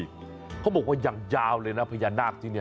เขาบอกว่าอย่างยาวเลยนะพญานาคที่นี่